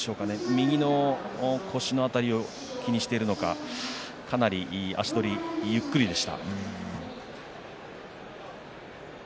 右の腰の辺りを気にしているのかかなり足取りがゆっくりでした。